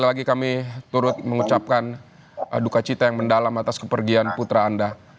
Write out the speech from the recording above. sekali lagi kami turut mengucapkan duka cita yang mendalam atas kepergian putra anda